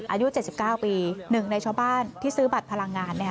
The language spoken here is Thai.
อายุ๗๙ปี๑ในชาวบ้านที่ซื้อบัตรพลังงาน